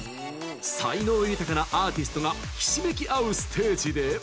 才能豊かなアーティストがひしめき合うステージで。